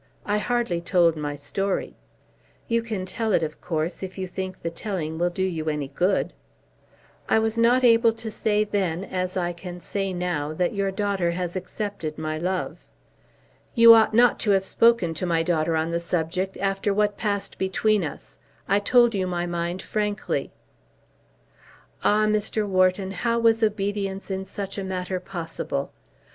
I hardly told my story." "You can tell it, of course, if you think the telling will do you any good." "I was not able to say then, as I can say now, that your daughter has accepted my love." "You ought not to have spoken to my daughter on the subject after what passed between us. I told you my mind frankly." "Ah, Mr. Wharton, how was obedience in such a matter possible?